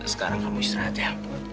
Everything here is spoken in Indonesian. sekarang kamu istirahat ya